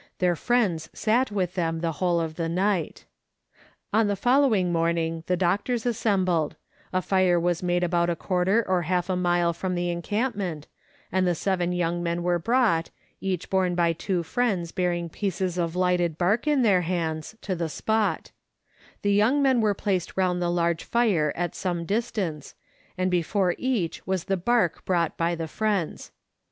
Their friends sat with them the whole of the night. On the following morning, the doctors assembled ; a fire was made about a quarter or half a mile from the encampment, and 1 The date is omitted in the MS. ED. Letters from Victorian Pioneers. 9 the seven young men were brought, each borne by two friends bearing pieces of lighted bark in their hands, to the spot ; the young men were placed round the large fire at some distance, and before each was the bark brought by the friends.